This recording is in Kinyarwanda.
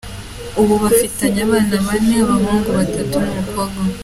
Ubu bafitanye abana bane, abahungu batatu n’umukobwa umwe.